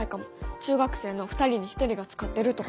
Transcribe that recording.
「中学生の２人に１人が使ってる」とか。